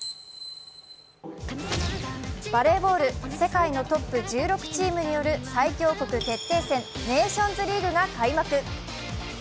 バレーボール世界のトップ１６チームによる最強国決定戦、ネーションズリーグが開幕。